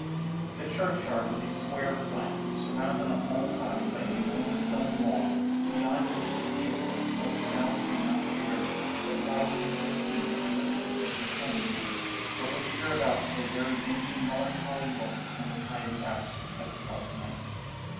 "The churchyard was a square flat, surrounded on all sides by a low stone wall, beyond which the fields sloped down to the mouth of a river that widened into the sea at a little distance from Kylmington, but which hereabouts had a very dingy melancholy look when the tide was out, as it was to night.